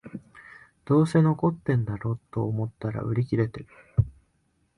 どうせ残ってんだろと思ったら売り切れてる